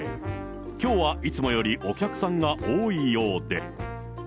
きょうはいつもよりお客さんが多いようで。